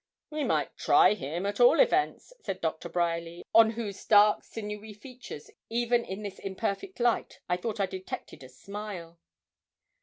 'We might try him at all events,' said Doctor Bryerly, on whose dark sinewy features, even in this imperfect light, I thought I detected a smile.